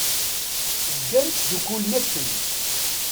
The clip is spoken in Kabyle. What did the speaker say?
Zgan ttdukkulen akken.